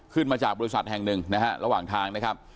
มาจากบริษัทแห่งหนึ่งนะฮะระหว่างทางนะครับ